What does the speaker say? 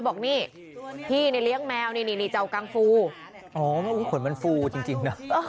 บอกนี่พี่เนี่ยเลี้ยงแมวนี่นี่เจ้ากังฟูอ๋อขนมันฟูจริงนะ